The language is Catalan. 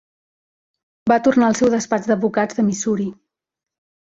Va tornar al seu despatx d'advocats de Missouri.